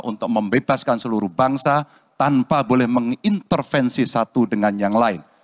untuk membebaskan seluruh bangsa tanpa boleh mengintervensi satu dengan yang lain